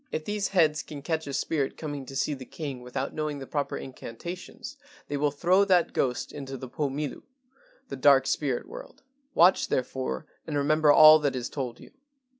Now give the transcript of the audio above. If these heads can catch a spirit coming to see the king without knowing the proper incantations, they will throw that ghost into the Po Milu [The Dark Spirit world]. Watch therefore and remember all that is told you.